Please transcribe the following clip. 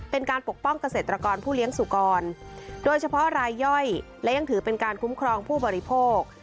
ปกป้องเกษตรกรผู้เลี้ยงสุกรโดยเฉพาะรายย่อยและยังถือเป็นการคุ้มครองผู้บริโภค